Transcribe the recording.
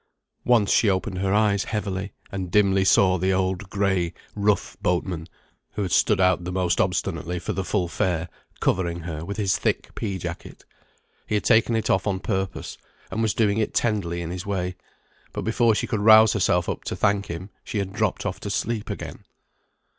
Once she opened her eyes heavily, and dimly saw the old gray, rough boatman (who had stood out the most obstinately for the full fare) covering her with his thick pea jacket. He had taken it off on purpose, and was doing it tenderly in his way, but before she could rouse herself up to thank him she had dropped off to sleep again.